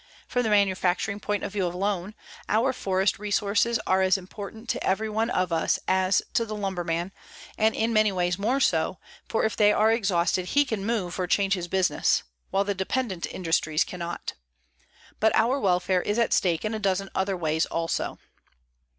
From the manufacturing point of view alone, our forest resources are as important to everyone of us as to the lumberman, and in many ways more so, for if they are exhausted he can move or change his business; while the dependent industries cannot. But our welfare is at stake in a dozen other ways also.